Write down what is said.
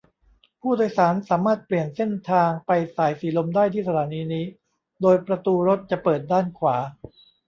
ผู้โดยสารสามารถเปลี่ยนเส้นทางไปสายสีลมได้ที่สถานีนี้ โดยประตูรถจะเปิดด้านขวา